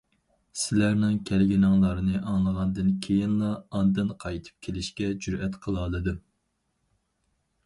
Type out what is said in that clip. سىلەرنىڭ كەلگىنىڭلارنى ئاڭلىغاندىن كېيىنلا ئاندىن قايتىپ كېلىشكە جۈرئەت قىلالىدىم.